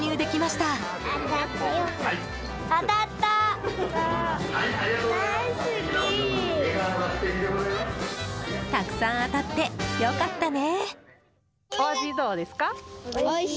たくさん当たって良かったね。